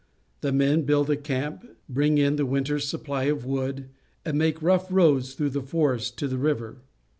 The men build a camp, bring in the winter's supply of wood, and make rough roads through the forest to the river.